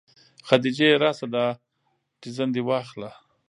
خديجې راسه دا تيزن دې واخله.